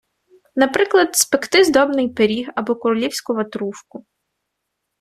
Наприклад, спекти здобний пиріг або королівську ватрушку.